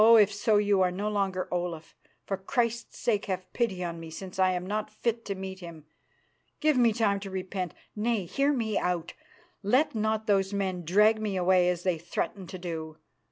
if so, you are no longer Olaf. For Christ's sake have pity on me, since I am not fit to meet Him. Give me time to repent. Nay! hear me out! Let not those men drag me away as they threaten to do.